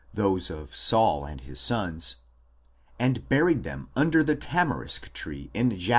those of Saul and his sons], and buried them under the tamarisk 1 Wellhausen, op.